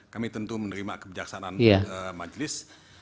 kami tentu menerima kebijaksanaan majelis